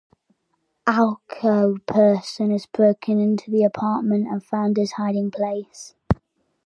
Falco Accipiter has broken into the apartment and found his hiding place.